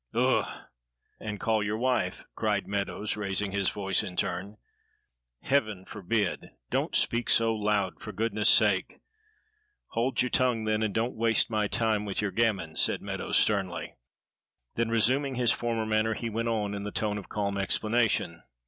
"Ugh!" "And call your wife!" cried Meadows, raising his voice in turn. "Heaven forbid! Don't speak so loud, for goodness' sake!" "Hold your tongue then and don't waste my time with your gammon," said Meadows sternly. Then resuming his former manner he went on in the tone of calm explanation.